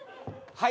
はい。